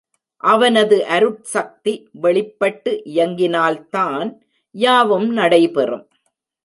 அவனது அருட்சக்தி வெளிப்பட்டு இயங்கினால்தான் யாவும் நடைபெறும்.